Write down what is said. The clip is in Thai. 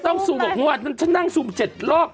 ไม่ต้องซูมหรอกหัวหวัดฉันนั่งซูม๗รอบ